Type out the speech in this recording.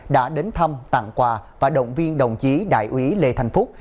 đã đến thăm tặng quà và động viên đồng chí đại ủy lê thành phúc